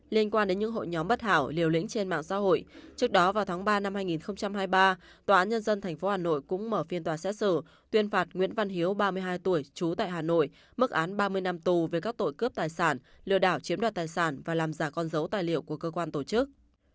liên quan đến những hội nhóm bất hảo liều lĩnh trên mạng xã hội trước đó vào tháng ba năm hai nghìn hai mươi ba tòa án nhân dân tp hà nội cũng mở phiên tòa xét xử tuyên phạt nguyễn văn hiếu ba mươi hai tuổi trú tại hà nội mức án ba mươi năm tù về các tội cướp tài sản lừa đảo chiếm đoạt tài sản và làm giả con dấu tài liệu của cơ quan tổ chức